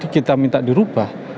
kita minta dirubah